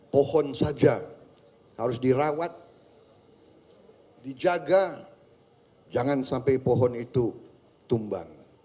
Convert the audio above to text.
pohon saja harus dirawat dijaga jangan sampai pohon itu tumbang